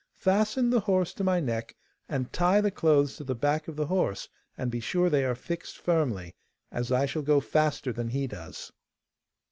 'Fasten the horse to my neck and tie the clothes to the back of the horse, and be sure they are fixed firmly, as I shall go faster than he does.